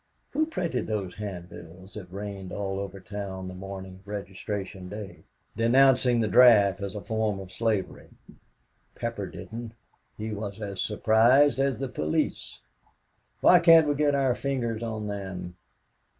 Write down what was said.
Who printed those handbills that rained all over town the morning of Registration Day, denouncing the draft as a form of slavery? Pepper didn't. He was as surprised as the police. Why can't we get our fingers on them?"